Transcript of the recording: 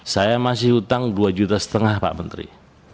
saya masih utang rp dua lima ratus pak menteri